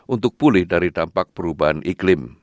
untuk pulih dari dampak perubahan iklim